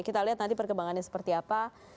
kita lihat nanti perkembangannya seperti apa